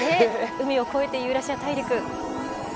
海を越えてユーラシア大陸。